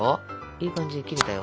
いい感じで切れたよ。